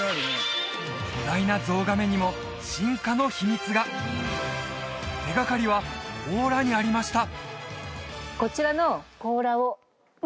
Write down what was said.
巨大なゾウガメにも進化の秘密が手がかりは甲羅にありました